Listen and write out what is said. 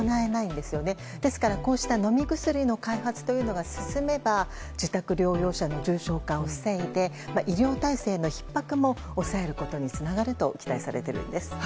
ですから、こうした飲み薬の開発というのが進めば、自宅療養者の重症化を防いで医療体制のひっ迫も抑えることにつながると期待されてるんです。